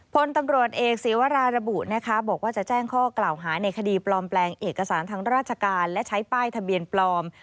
พลตำรวจเอกศีวราระบุนะคะบอกว่าจะแจ้งข้อกล่าวหาในคดีปลอมแปลงเอกสารทางราชการและใช้ป้ายทะเบียนปลอม